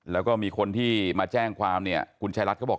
แล้วก็มีคนที่มาแจ้งความเนี่ยคุณชายรัฐเขาบอก